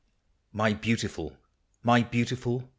My beautiful ! my beautiful